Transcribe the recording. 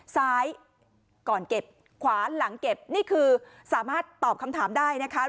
ซ้ายก่อนเก็บขวานหลังเก็บนี่คือสามารถตอบคำถามได้นะคะ